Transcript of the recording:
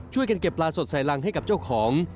เก็บปลาสดใส่รังให้กับเจ้าของ